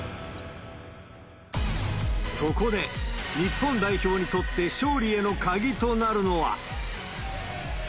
そこで、日本代表にとって勝利への鍵となるのは。